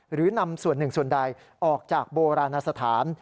หรือนำส่วนหนึ่งส่วนใดออกจากโบราณสถาน